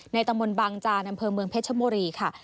ในตะมนต์บางจานำเพิงเมืองเพชรบุรีค่ะ